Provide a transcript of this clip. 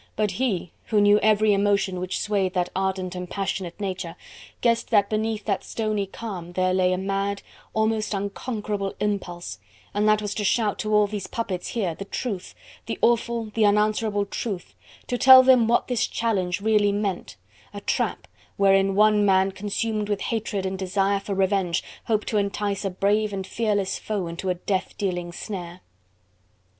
But he, who knew every emotion which swayed that ardent and passionate nature, guessed that beneath that stony calm there lay a mad, almost unconquerable impulse: and that was to shout to all these puppets here, the truth, the awful, the unanswerable truth, to tell them what this challenge really meant; a trap wherein one man consumed with hatred and desire for revenge hoped to entice a brave and fearless foe into a death dealing snare.